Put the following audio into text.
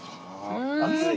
熱い？